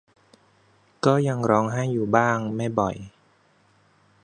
ก็ยังร้องไห้อยู่บ้าง ไม่บ่อย